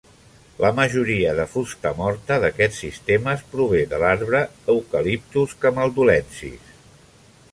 La majoria de fusta morta d"aquests sistemes prové de l"arbre Eucalyptus camaldulensis.